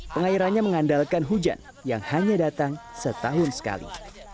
pengairannya mengandalkan hujan yang hanya datang setahun sekali